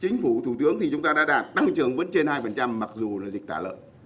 chính phủ thủ tướng thì chúng ta đã đạt tăng trưởng vẫn trên hai mặc dù là dịch tả lợn